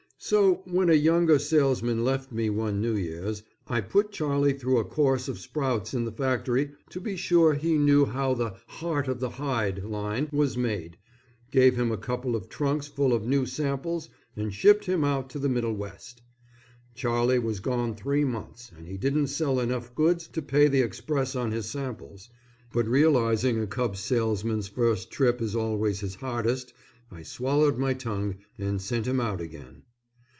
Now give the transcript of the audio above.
So when a younger salesman left me one New Year's, I put Charlie through a course of sprouts in the factory to be sure he knew how the "Heart of the Hide" line was made, gave him a couple of trunks full of new samples, and shipped him out to the middle west. Charlie was gone three months and he didn't sell enough goods to pay the express on his samples, but realizing a cub salesman's first trip is always his hardest, I swallowed my tongue and sent him out again.